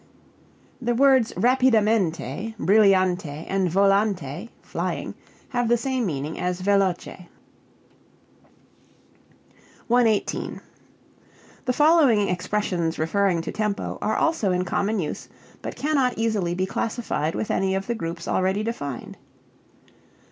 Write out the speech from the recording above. The words rapidamente, brillante and volante (flying) have the same meaning as veloce. 118. The following expressions referring to tempo are also in common use but cannot easily be classified with any of the groups already defined.